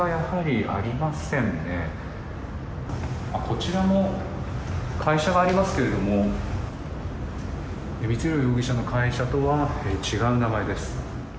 こちらに会社がありますけど光弘容疑者の会社とは違う名前です。